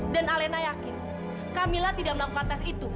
dan elena yakin kamila tidak melakukan tes itu